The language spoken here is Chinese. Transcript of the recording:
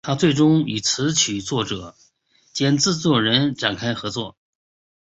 她最终与词曲作者兼制作人展开合作。